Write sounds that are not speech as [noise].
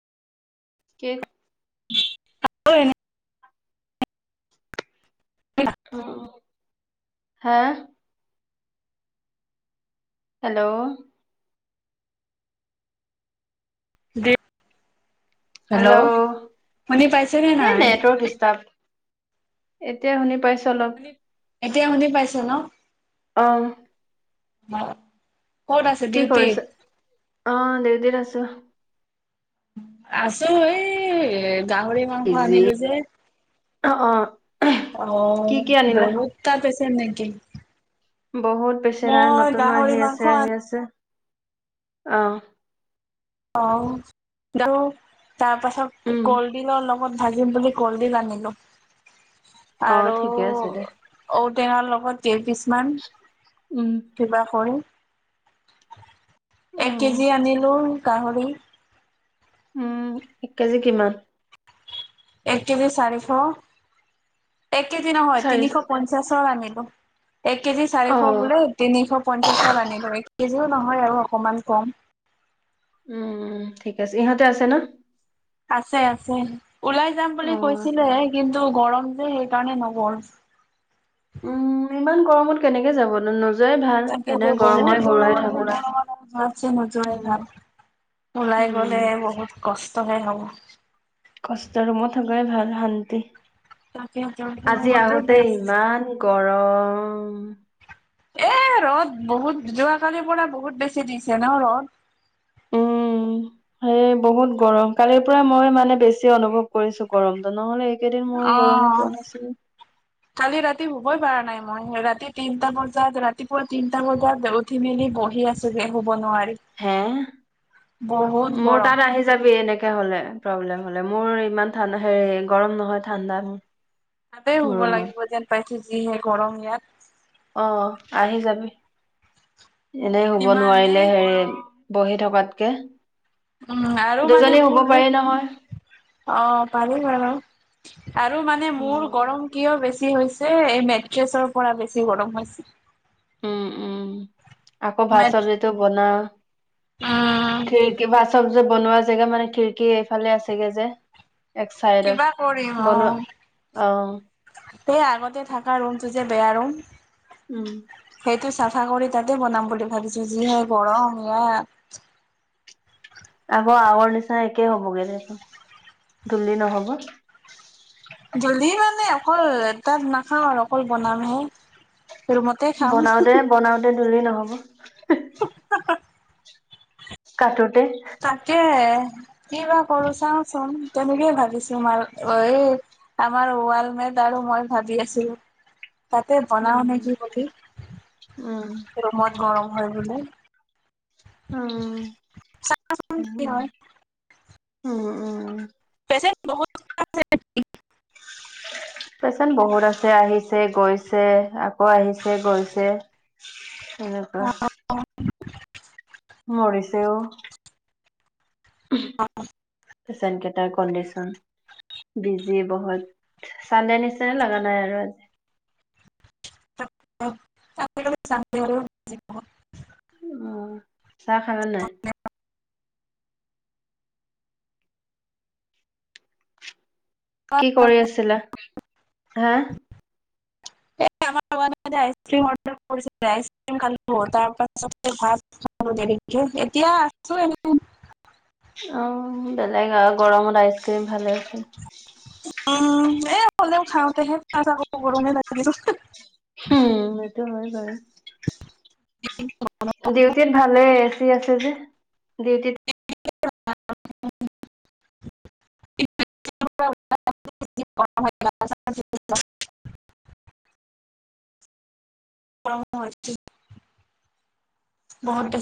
কে। খালো এনে। [unintelligible] হা। হেল্ল'। দিপ হেল্ল' শুনি পাইচে নে নাই। খ্ৰীসষ্টাপ। এতিয়া শুনি পাইছ ল। এতিয়া শুনি পাইছে ন। অ ক'ত আছে কি ডিউটিত? কৰিছ? অ ডেউটিত আছোঁ। আছোঁ এই গাহৰি। হয় হয় বিজি আনিলোঁ যে অ অ অ কি কি আনিলা বহুত মানুহ। তাৰ পিছে নেকি। বহুত পেচেণ্ট আৰু মই নতুনো গাহৰি আহি মাংস আছে আহি আনো আছে অ। অ আৰু তাৰপাছত উম কলডিলৰ লগত ভাজিম বুলি। কলডিল আনিলো অ আৰু। ঠিকে আছে দে ঔটেঙাৰ লগত কে কিছুমান। উম। কিবা কৰি এক উম কেজি আনিলোঁ গাহৰি। উম এক কেজি কিমান। এক কেজি চাৰিশ এক কেজি নহয় চাৰিশ তিনিশ পঞ্চাশৰ আনিলোঁ। এক কেজি অ চাৰিশ বোলে তিনিশ পঞ্চাশ হল আনিলো এক কেজিও নহয় আৰু অকমান কম। উম ঠিক আছে ইহঁতে আছে ন। আছে আছে ওলাই যাম বুলি অ কৈছিলে কিন্তু গৰম যে সেইকাৰণে নগ'ল। উম ইমান গৰমত কেনেকে যাবনো ন। তাকে বৰ নোজাই উম। ভাল। ওলাই গ'লে উম বহুত কষ্টহে হ'ব। কষ্ট ৰুমত থাকাই ভাল শান্তি তাকেতো আজি ৰুমতে আহোতে বেষ্ট। ইমান। গৰম। এ ৰ'দ বহুত যোৱাকালিৰ পৰা বহুত বেছি দিছে ন ৰ'দত। উম। এই বহুত গৰম কালিৰ পৰা মই মানে বেছি অনুভৱ কৰিছোঁ গৰমটো নহ'লে। এইকেইদিন মই গৰমে পোৱা অ'। [inaudible] কালি ৰাতি শুবই পৰাই নাই মই, ৰাতি তিনটা বজাত ৰাতিপুৱা তিনটা বজাত উঠ উঠি মেলি বহি আছোহি শুৱ নোৱাৰি। হে', বহুত মোৰ গৰম তাত আহি যাবি এনেকে হ'লে প্ৰব্লেম হ'লে মোৰ ইমান ঠাণ্ড হেৰি গৰম নহয় ঠাণ্ডা। তাতে মোৰ শুৱ ৰুমত লাগিব যেন পাইছো যিহে গৰম ইয়াত। অ' আহি যাবি, এনেই শুব ইমানেই নোৱাৰিলে হেৰি গৰম বহি থকাতকে উম আৰু মানে দুজনী মোৰ শুৱ যে পাৰি নহয়? অ' পাৰি বাৰু, আৰু মানে মোৰ উম গৰম কিয় বেছি হৈছে এই মেট্ৰেছৰ পৰা বেছি গৰম হৈছে। উম, উম আকৌ ভাত মেট চব্জিটো বনা। উম খিৰিকী বা চব যে বনোৱা জেগা মানে খিৰিকী এইফালে আছেগে যে? এক চাইডত কিবা বনোৱা, অ'। সে আগতে থাকা ৰুমটো যে বেয়া ৰুম উম। সেইটো চাফা কৰি তাতে বনাম বুলি ভাবিছো, যি হে গৰম ইয়াত। আকৌ আগৰ নিচিনা একেই হবগৈ দে ধূলি নহব। ধূলি মানে অকল তাত নাখাওঁ আৰু অকল বনামহে? ৰুমতে খাম বনাওতে বনাওতে ধূলি নহ'ব? [unintelligible] কাটোতে? তাকে কি বা কৰো চাওচোন তেনেকৈ ভাবিছো মাল এই। আমাৰ ৱাল মেট আৰু মই ভাবি আছিলো, তাতে বনাও উম নেকি বুলি। উম। মত গৰম হয় বোলে? উম, কি হয় উম, উম। [unintelligible] [unintelligible] [unintelligible] পেচেণ্ট বহুত আছে, আহিছে গৈছে আকৌ আহিছে গৈছে এনেকুৱা। [unintelligible] মৰিছে ও। পেচেণ্ট কেইটাৰ কণ্ডিশ্যন। বিজি বহুত, চান্দে নিচিনা লগা নাই আৰু আজি। [unintelligible] অ'। চাহ খালা নে নাই? কি কৰি আছিলা হা'? [unintelligible] হব দেৰিকেই, এতিয়া আছো এনেই। অ' বেলেগ আৰু, গৰমত আইচক্ৰীম ভালে হৈছে। উম এ অকলেও খাওঁতেহে [unintelligible] গৰমে লাগে উম, সেইটো হয় বাৰু। ডিউটিত ভালেই এ চি আছে যে। ডিউটিত [unintelligible] [unintelligible] [unintelligible] [unintelligible] [unintelligible]